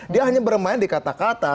dia hanya bermain di kata kata